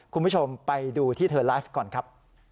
คุณผู้ชมไปดูที่เธอไลฟ์ก่อนครับ